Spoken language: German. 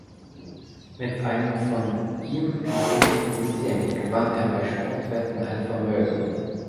Mit einem von ihm entwickelten System gewann er bei Sportwetten ein Vermögen.